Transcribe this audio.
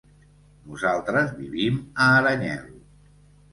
Nosaltres vivim a Aranyel.